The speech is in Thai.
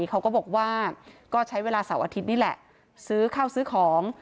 เขาก็บอกว่าก็ใช้เวลาเสาร์อาทิตย์นี่แหละซื้อข้าวซื้อของ